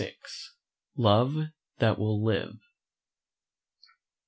XVII. LOVE THAT WILL LIVE.